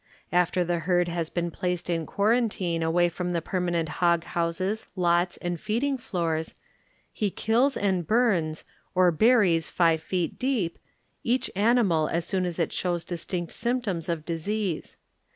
After the herd has been placed in quarantine away from the Sermanent hog houses, lots and feeding oors, he kills and burns, or buries five feet deni, each animal as soon as it shows distinct symptoms of disease.